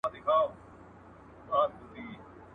ولي د بوټو چای د ذهني ستړیا لپاره ګټور دی؟